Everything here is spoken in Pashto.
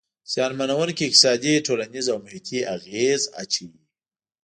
زیانمنووونکي اقتصادي، ټولنیز او محیطي اغیز اچوي.